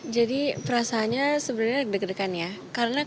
jadi perasaannya sebenarnya deg degan ya